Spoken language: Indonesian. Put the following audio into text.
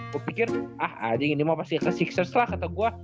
gue pikir ah anjing ini mau pasti ke enam ers lah kata gue